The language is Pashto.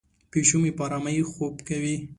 پیشو مې په آرامۍ خوب کوي.